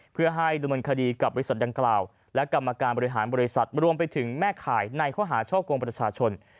เพื่อให้ดำเนินคดีกับบริษัทดังกล่าวและกรรมการบริหารบริษัทรวมไปถึงแม่ข่ายในข้อหาช่อกงประชาชน